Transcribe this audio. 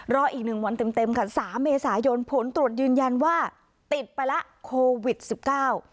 รออีกหนึ่งวันเต็มเต็มค่ะสามเมษายนผลตรวจยืนยันว่าติดไปแล้วโควิดสิบเก้า